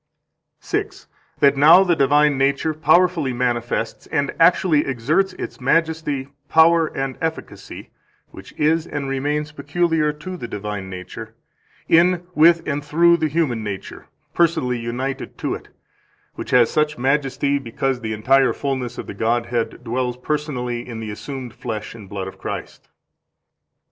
143 That now the divine nature powerfully manifests and actually exerts its majesty, power, and efficacy (which is and remains peculiar to the divine nature) in, with, and through the human nature personally united to it; which has such majesty because the entire fullness of the Godhead dwells personally in the assumed flesh and blood of Christ.